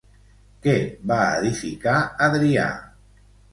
Què va edificar Adrià?